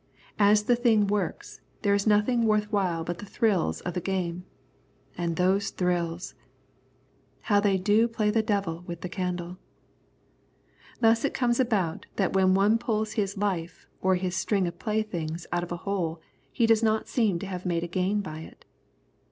As the thing works, there is nothing worth while but the thrills of the game. And these thrills! How they do play the devil with the candle! Thus it comes about that when one pulls his life or his string of playthings out of a hole he does not seem to have made a gain by it.